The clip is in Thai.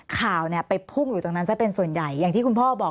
ข่าวเนี่ยไปพุ่งอยู่ตรงนั้นซะเป็นส่วนใหญ่อย่างที่คุณพ่อบอก